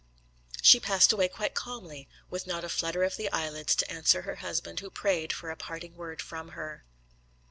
She passed away quite calmly, with not a flutter of the eyelids to answer her husband, who prayed for a parting word from her.